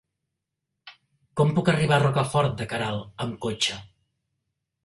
Com puc arribar a Rocafort de Queralt amb cotxe?